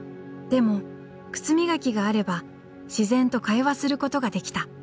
でも靴磨きがあれば自然と会話することができた。